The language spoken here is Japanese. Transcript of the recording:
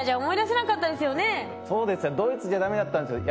そうですねドイツじゃダメだったんですよ。